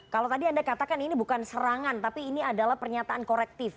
kalau tadi anda katakan ini bukan serangan tapi ini adalah pernyataan korektif